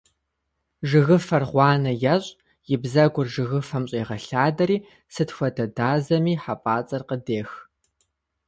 Жыгыфэр гъуанэ ещӀ, и бзэгур жыгыфэм щӀегъэлъадэри сыт хуэдэ дазэми хьэпӀацӀэр къыдех.